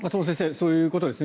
そういうことですね。